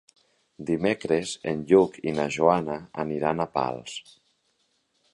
Dimecres en Lluc i na Joana aniran a Pals.